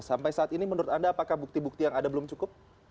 sampai saat ini menurut anda apakah bukti bukti yang ada belum cukup